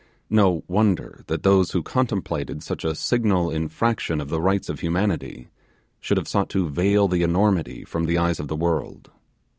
No wonder that those who contemplated such a signal infraction of the rights of humanity should have sought to veil the enormity from the eyes of the world.